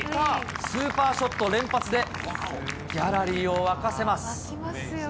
スーパーショット連発でギャラリーを沸かせます。